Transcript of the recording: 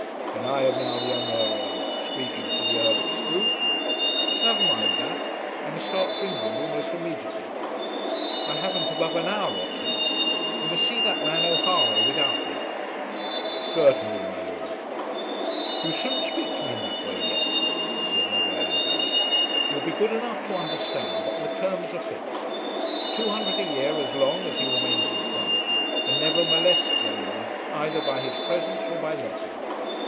"And I have now the honour of speaking to the Earl of Scroope." "Never mind that. I must start for England almost immediately. I haven't above an hour or two. You must see that man, O'Hara, without me." "Certainly, my lord." "You shouldn't speak to me in that way yet," said Neville angrily. "You will be good enough to understand that the terms are fixed; two hundred a year as long, as he remains in France and never molests anyone either by his presence or by letter.